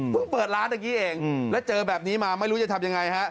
เพิ่งเปิดร้านตะกี้เองและเจอแบบนี้มาไม่รู้จะทำยังไงฮะ